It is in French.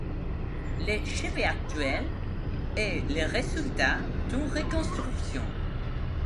Le chevet actuel est le résultat d'une reconstruction.